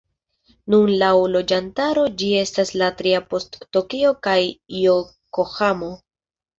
Nun laŭ loĝantaro ĝi estas la tria post Tokio kaj Jokohamo.